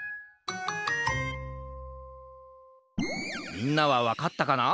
みんなはわかったかな？